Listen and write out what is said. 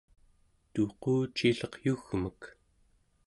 tuqucilleq yugmek